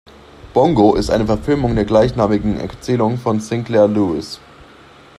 Bongo ist eine Verfilmung der gleichnamigen Erzählung von Sinclair Lewis.